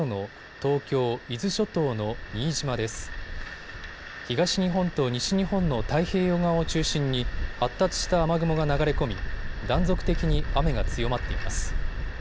東日本と西日本の太平洋側を中心に発達した雨雲が流れ込み断続的に雨が強まっています。